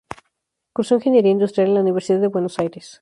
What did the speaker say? Cursó Ingeniería Industrial en la Universidad de Buenos Aires.